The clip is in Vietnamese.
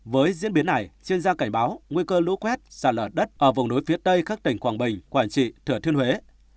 với diễn biến này chuyên gia cảnh báo nguy cơ lũ quét xả lở đất ở vùng núi phía tây các tỉnh quảng bình quảng trị thừa thiên huế